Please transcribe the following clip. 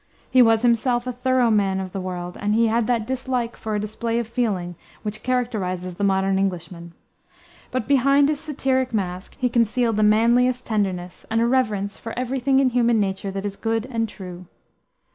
He was himself a thorough man of the world, and he had that dislike for a display of feeling which characterizes the modern Englishman. But behind his satiric mask he concealed the manliest tenderness, and a reverence for every thing in human nature that is good and true.